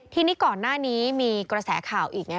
ทีนี้ก่อนหน้านี้มีกระแสข่าวอีกไง